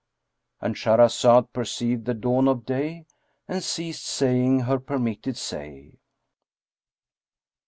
—And Shahrazad perceived the dawn of day and ceased saying her permitted say.